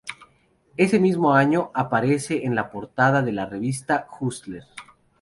Ese mismo año aparece en la portada de la revista "Hustler".